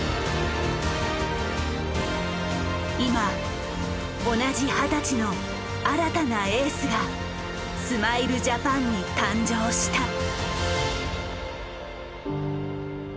今同じ二十歳の新たなエースがスマイルジャパンに誕生した。